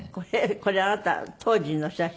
これあなた当時のお写真？